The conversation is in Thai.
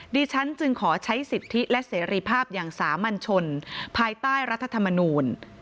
ดิฉันจึงขอใช้สิทธิและเสรีภาพอย่างสามัญชนภายใต้รัฐธรรมนูล